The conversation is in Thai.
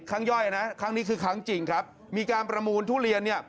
ย่อยนะครั้งนี้คือครั้งจริงครับมีการประมูลทุเรียนเนี่ย